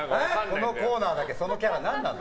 このコーナーだけそのキャラ、何なの？